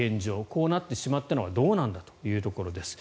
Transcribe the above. こうなってしまったのはどうなんだというところです。